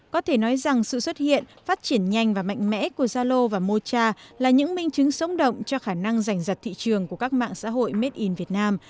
có thể nói rằng sự xuất hiện phát triển nhanh và mạnh mẽ của zalo và mocha là những minh chứng sống động cho khả năng giành giật thị trường của các mạng xã hội made in vietnam